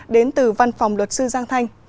đến từ văn phòng luật sư giang thanh